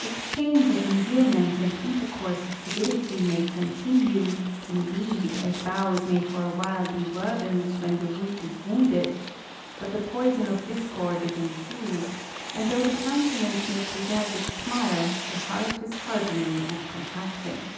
Exchange of endearments and intercourse of civility may continue, indeed, as boughs may for a while be verdant, when the root is wounded ; but the poison of discord is infused, and though the countenance may preserve its smile, the heart is hanlening and contracting.